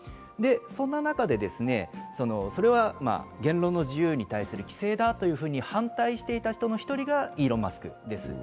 そんな中で、それは言論の自由に対する規制だと反対指定した人の１人がイーロン・マスクです。